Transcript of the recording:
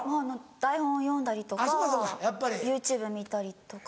台本を読んだりとかＹｏｕＴｕｂｅ見たりとか。